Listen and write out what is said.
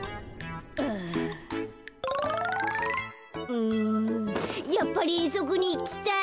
うんやっぱりえんそくにいきたい！